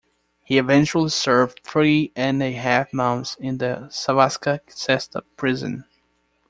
He eventually served three and a half months in the Savska Cesta prison.